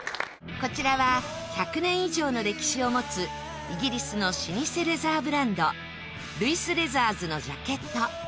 こちらは１００年以上の歴史を持つイギリスの老舗レザーブランドＬｅｗｉｓＬｅａｔｈｅｒｓのジャケット